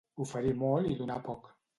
Oferir molt i donar poc.